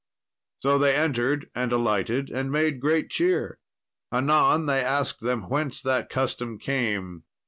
So they entered and alighted and made great cheer. Anon, they asked them whence that custom came.